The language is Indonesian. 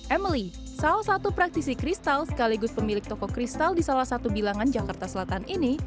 emily salah satu praktisi kristal sekaligus pemilik toko kristal di salah satu bilangan jakarta selatan ini